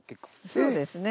そうですね。